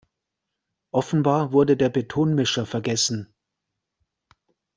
Offenbar wurde der Betonmischer vergessen.